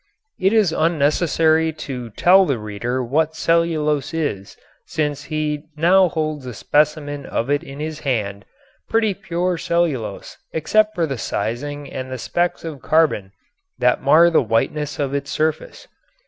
It is unnecessary to tell the reader what cellulose is since he now holds a specimen of it in his hand, pretty pure cellulose except for the sizing and the specks of carbon that mar the whiteness of its surface.